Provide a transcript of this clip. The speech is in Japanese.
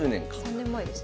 ３年前ですね。